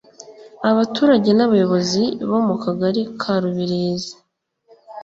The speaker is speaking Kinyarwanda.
Abaturage n’abayobozi bo mu Kagari ka Rubirizi